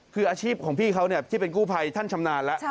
คืออาชีพของพี่เขาที่เป็นกู้ภัยท่านชำนาญแล้ว